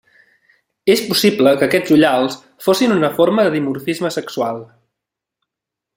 És possible que aquests ullals fossin una forma de dimorfisme sexual.